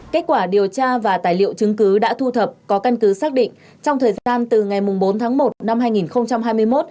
kết quả điều tra và tài liệu chứng cứ đã thu thập có căn cứ xác định trong thời gian từ ngày bốn tháng một năm hai nghìn hai mươi một